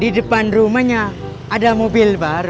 di depan rumahnya ada mobil bar